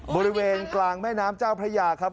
บริเวณกลางแม่น้ำเจ้าพระยาครับ